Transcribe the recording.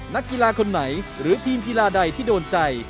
นักกีฬาคนไหนหรือทีมกีฬาใดที่โดนใจ